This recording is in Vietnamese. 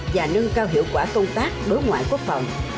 và nâng cao hiệu quả công tác đối ngoại quốc phòng